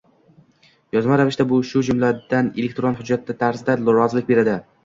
yozma ravishda, shu jumladan elektron hujjat tarzida rozilik beradi.